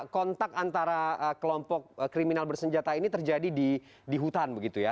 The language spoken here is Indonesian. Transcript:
kontak antara kelompok kriminal bersenjata ini terjadi di hutan begitu ya